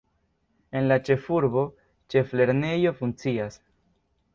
En la ĉefurbo ĉeflernejo funkcias.